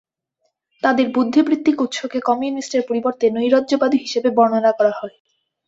তাদের বুদ্ধিবৃত্তিক উৎসকে কমিউনিস্টের পরিবর্তে নৈরাজ্যবাদী হিসেবে বর্ণনা করা হয়।